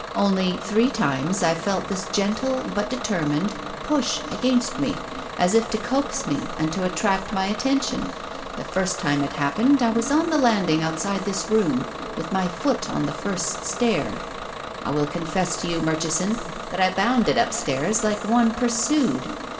Only, three times, I felt this gentle, but determined, push against me, as if to coax me and to attract my attention. The first time it happened I was on the landing outside this room, with my foot on the first stair. I will confesstoyou, Mur chison, that I bounded upstairs like one pursued.